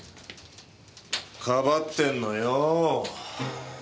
かばってんのよ。